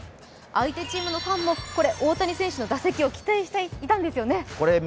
相手チームのファンも大谷選手の打席を期待していたんですね。